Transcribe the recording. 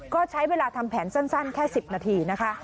ก็ใช้เวลาทำแผนสั้นแค่๑๐นาทีนะคะ